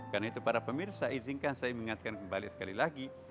karena itu para pemirsa izinkan saya mengingatkan kembali sekali lagi